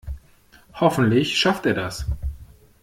Hoffentlich schafft er das.